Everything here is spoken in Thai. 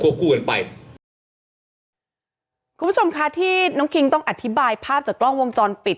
คู่กันไปคุณผู้ชมค่ะที่น้องคิงต้องอธิบายภาพจากกล้องวงจรปิด